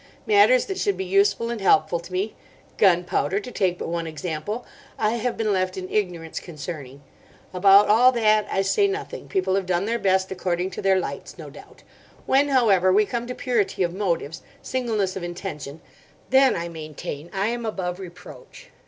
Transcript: Matters that should be useful and helpful to me—gunpowder, to take but one example—I have been left in ignorance concerning. About all that I say nothing; people have done their best according to their lights, no doubt. When, however, we come to purity of motives, singleness of intention, then, I maintain, I am above reproach.